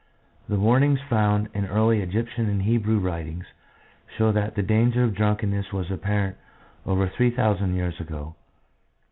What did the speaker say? The warnings found in early Egyptian and Hebrew writings show that the danger of drunkenness was apparent over three thousand years ago.